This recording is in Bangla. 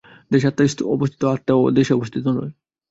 দেশ আত্মায় অবস্থিত, আত্মা দেশে অবস্থিত নয়।